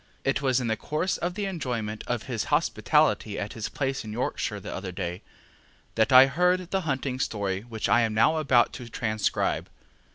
It was in the course of the enjoyment of his hospitality at his place in Yorkshire the other day that I heard the hunting story which I am now about to transcribe.